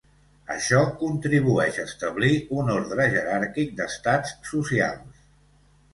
Això contribueix a establir un ordre jeràrquic d'estats socials.